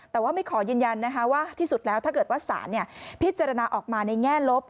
แต่ว่าไม่ขอยืนยันว่าที่สุดแล้วถ้าเกิดว่าสารพิจารณาออกมาในแง่ลบ